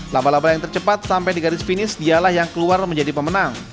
laba laba yang tercepat sampai di garis finish dialah yang keluar menjadi pemenang